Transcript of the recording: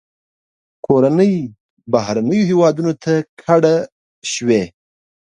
کورنۍ بهرنیو هیوادونو ته کډه شوې.